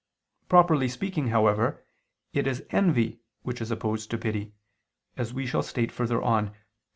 Properly speaking, however, it is envy which is opposed to pity, as we shall state further on (Q.